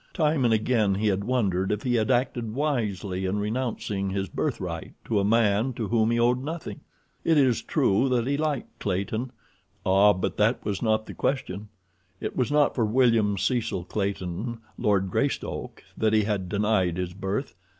Time and again he had wondered if he had acted wisely in renouncing his birthright to a man to whom he owed nothing. It is true that he liked Clayton, but—ah, but that was not the question. It was not for William Cecil Clayton, Lord Greystoke, that he had denied his birth.